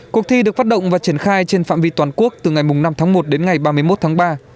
cuộc thi được phát động và triển khai trên phạm vi toàn quốc từ ngày năm tháng một đến ngày ba mươi một tháng ba